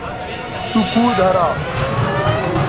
تو کوؤ دھرا